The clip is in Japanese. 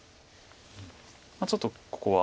ちょっとここは。